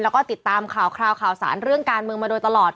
แล้วก็ติดตามข่าวข่าวสารเรื่องการเมืองมาโดยตลอด